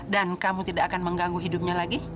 kamu tidak akan mengganggu hidupnya lagi